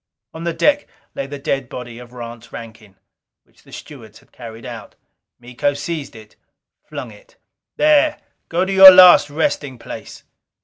On the deck lay the dead body of Rance Rankin, which the stewards had carried out. Miko seized it: flung it. "There! Go to your last resting place!"